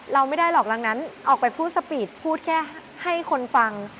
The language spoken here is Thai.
หนังนั้นออกไปพูดสปีดพูดแค่ให้คนฟัง